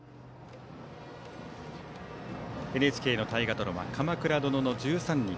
ＮＨＫの大河ドラマ「鎌倉殿の１３人」